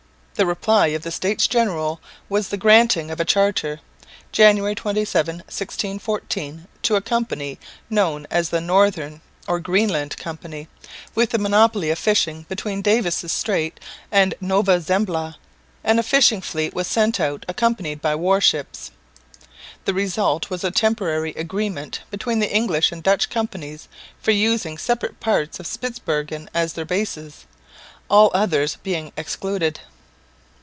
The reply of the States General was the granting of a charter, January 27, 1614, to a company, known as the Northern or Greenland Company, with the monopoly of fishing between Davis' Straits and Nova Zembla; and a fishing fleet was sent out accompanied by warships. The result was a temporary agreement between the English and Dutch companies for using separate parts of Spitsbergen as their bases, all others being excluded.